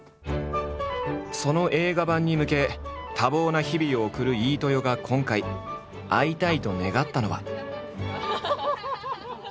その映画版に向け多忙な日々を送る飯豊が今回会いたいと願ったのは。